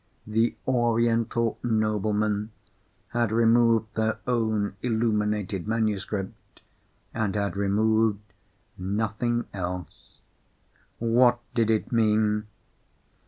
The Oriental noblemen had removed their own illuminated manuscript, and had removed nothing else. What did it mean?